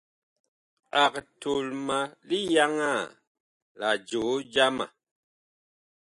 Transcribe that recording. Ag tol ma liyaŋaa la joo jama.